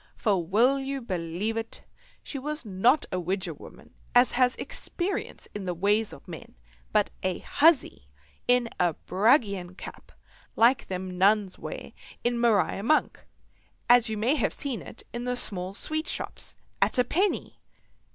For, will you believe it, she was not a widger woman as has experience in the ways of men, but a huzzy in a bragian cap like them the Nuns wear in "Mariar Monk," as you may have seen it in the small sweet shops, at a penny.